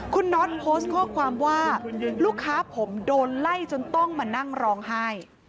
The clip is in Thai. คุณน็อตโพสต์ข้อความว่าลูกค้าผมโดนไล่จนต้องมานั่งร้องไห้